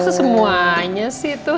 masa semuanya sih tuh